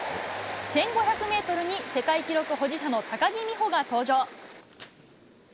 １５００メートルに、世界記録保持者の高木美帆が登場。